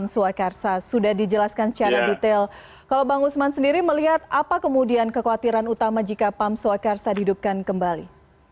sudah dijelaskan secara detail kalau bang usman sendiri melihat apa kemudian kekhawatiran utama jika pam swakarsa dihidupkan kembali